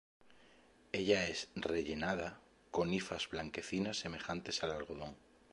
Ella es "rellenada", con hifas blanquecinas semejantes al algodón.